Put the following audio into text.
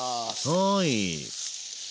はい。